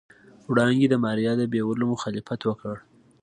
وړانګې د ماريا د بيولو مخالفت وکړ.